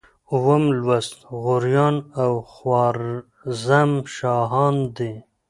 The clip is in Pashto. اووم لوست غوریان او خوارزم شاهان دي.